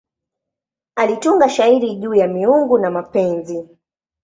Alitunga shairi juu ya miungu na mapenzi.